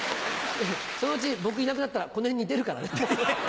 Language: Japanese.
そのうち僕いなくなったらこの辺に出るからね。